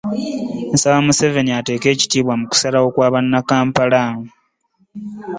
Nsaba Museveni ateeke ekitiibwa mu kusalawo kww bannakampala